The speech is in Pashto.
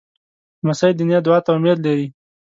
لمسی د نیا دعا ته امید لري.